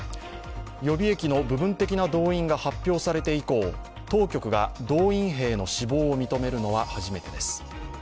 予備役の部分的な動員が発表されて以降、当局が動員兵の死亡を認めるのは初めてです。